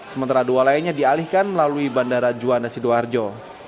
sementara dua lainnya dialihkan melalui bandara juanda sidoarjo